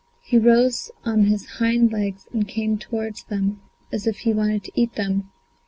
He rose on his hind legs and came towards them, as if he wanted to eat them.